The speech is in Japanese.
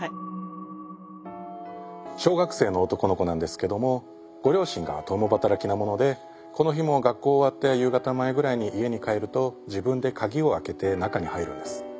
小学生の男の子なんですけどもご両親が共働きなものでこの日も学校終わって夕方前ぐらいに家に帰ると自分でカギを開けて中に入るんです。